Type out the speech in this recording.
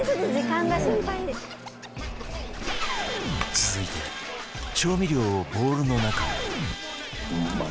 続いて調味料をボウルの中に